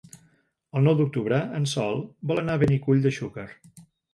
El nou d'octubre en Sol vol anar a Benicull de Xúquer.